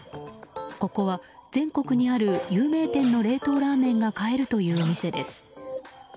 ここは全国にある有名店の冷凍ラーメンが買えるという店です。